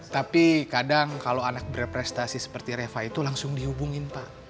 tapi kadang kalau anak berprestasi seperti reva itu langsung dihubungin pak